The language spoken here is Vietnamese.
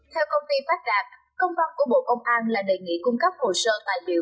theo công ty phát rạp công văn của bộ công an là đề nghị cung cấp hồ sơ tài liệu